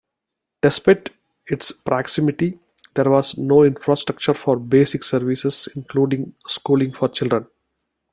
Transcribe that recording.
Despite its proximity, there was no infrastructure for basic services including schooling for children.